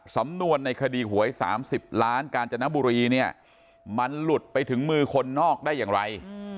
สำนวนในคดีหวย๓๐ล้านกาญจนบุรีเนี่ยมันหลุดไปถึงมือคนนอกได้อย่างไร